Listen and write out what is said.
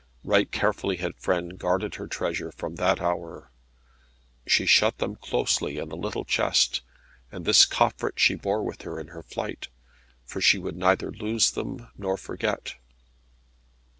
Right carefully had Frêne guarded her treasure from that hour. She shut them closely in a little chest, and this coffret she bore with her in her flight, for she would neither lose them nor forget.